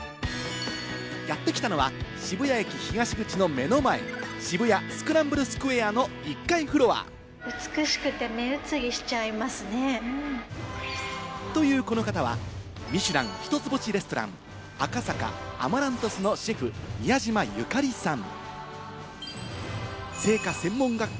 やってきたのは渋谷駅東口の目の前、渋谷スクランブルスクエアの１階フロア。というこの方はミシュラン一つ星レストラン、赤坂アマラントスのシェフ・宮島由香里さん。